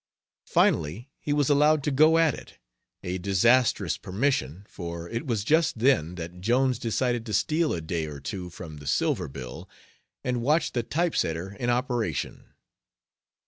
Finally, he was allowed to go at it a disasterous permission, for it was just then that Jones decided to steal a day or two from the Silver Bill and watch the type setter in operation.